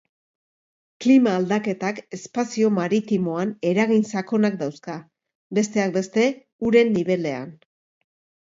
Klima aldaketak espazio maritimoan eragin sakonak dauzka, besteak beste uren nibelean.